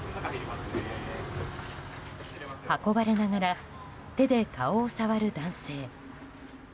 運ばれながら手で顔を触る男性。